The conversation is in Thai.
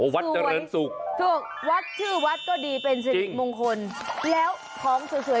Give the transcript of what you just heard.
วัดชื่อวัดก็ดีเป็นสินิทมงคลแล้วของสวยสวย